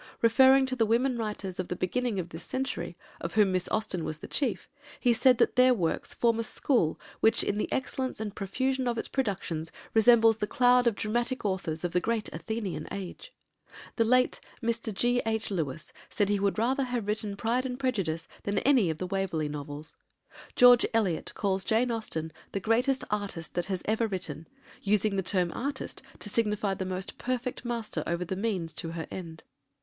Referring to the women writers of the beginning of this century, of whom Miss Austen was the chief, he said that their works "form a school which, in the excellence and profusion of its productions, resembles the cloud of dramatic authors of the great Athenian age." The late Mr. G. H. Lewes said he would rather have written Pride and Prejudice than any of the Waverley novels. George Eliot calls Jane Austen the greatest artist that has ever written, "using the term 'artist' to signify the most perfect master over the means to her end."